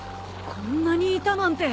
こんなにいたなんて。